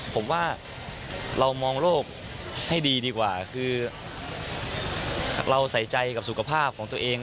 ผมว่าเรามองโลกให้ดีดีกว่าคือเราใส่ใจกับสุขภาพของตัวเอง